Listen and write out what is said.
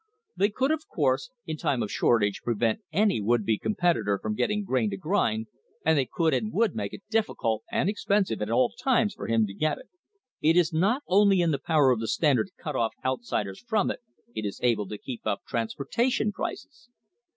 They could, of course, in time of shortage, prevent any would be competitor from get ting grain to grind, and they could and would make it diffi cult and expensive at all times for him to get it. It is not only in the power of the Standard to cut off out siders from it, it is able to keep up transportation prices.